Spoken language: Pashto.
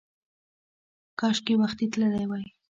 کاشکې وختي تللی وای!